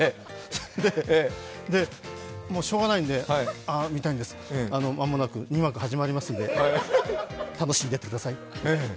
それで、しようがないんで、三谷です、間もなく２幕始まりますんで、楽しんでいってください。